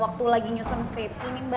waktu lagi nyusun skripsi